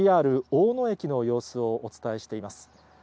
ＪＲ大野駅の様子をお伝えしています。